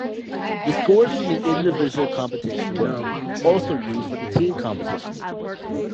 The scores from the individual competition were also used for the team competition.